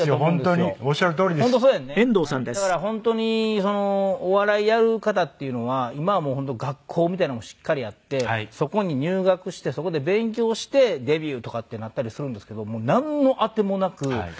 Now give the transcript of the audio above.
だから本当にお笑いやる方っていうのは今はもう本当学校みたいなのもしっかりあってそこに入学してそこで勉強してデビューとかってなったりするんですけどなんの当てもなく。